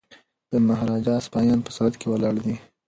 د مهاراجا سپایان په سرحد کي ولاړ دي.